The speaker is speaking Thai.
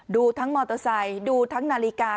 ดูทั้งมอเตอร์ไซค์ดูทั้งนาฬิกา